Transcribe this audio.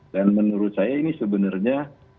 dan menurut saya ini sebenarnya